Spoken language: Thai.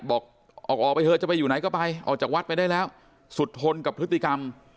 บอกออกออกไปเถอะจะไปอยู่ไหนก็ไปออกจากวัดไปได้แล้วสุดทนกับพฤติกรรม